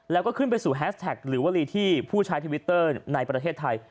แล้วก็ขึ้นไปสู่แฮสแท็กหรือวลีที่ผู้ใช้ทวิตเตอร์ในประเทศไทย